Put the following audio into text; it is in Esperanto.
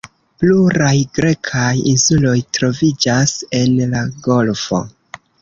Pluraj grekaj insuloj troviĝas en la golfo.